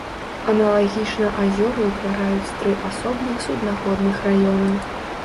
Аналагічна азёры ўтвараюць тры асобных суднаходных раёна.